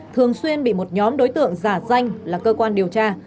thường xuyên bị một nhóm đối tượng giả danh là cơ quan điều tra